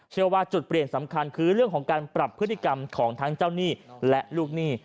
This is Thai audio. ว่าจุดเปลี่ยนสำคัญคือเรื่องของการปรับพฤติกรรมของทั้งเจ้าหนี้และลูกหนี้